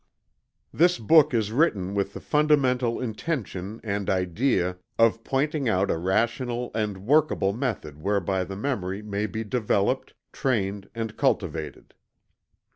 This book is written with the fundamental intention and idea of pointing out a rational and workable method whereby the memory may be developed, trained and cultivated.